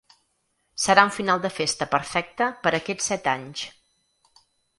Serà un final de festa perfecte per a aquests set anys.